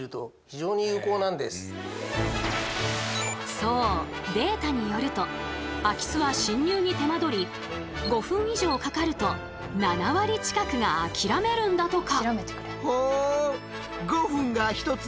そうデータによると空き巣は侵入に手間取り５分以上かかると７割近くが諦めるんだとか。